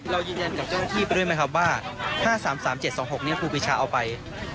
เรายืนยันกับเจ้าหน้าที่ไปด้วยไหมครับว่า๕๓๓๗๒๖นี้ครูปีชาเอาไป